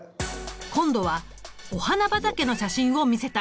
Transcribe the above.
今度はお花畑の写真を見せた。